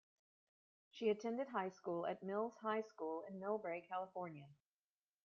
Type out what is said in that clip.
She attended high school at Mills High School in Millbrae, California.